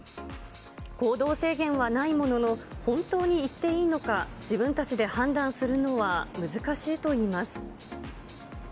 行動制限はないものの、本当に行っていいのか、自分たちで判断するのは難しいといいます。